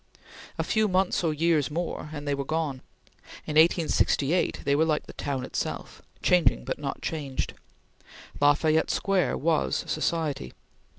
A few months or years more, and they were gone. In 1868, they were like the town itself, changing but not changed. La Fayette Square was society.